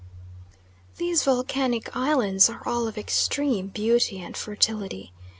These volcanic islands are all of extreme beauty and fertility.